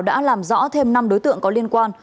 đã làm rõ thêm năm đối tượng có liên quan